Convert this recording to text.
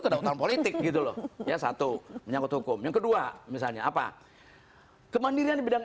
kedaulatan politik gitu loh ya satu menyangkut hukum yang kedua misalnya apa kemandirian di bidang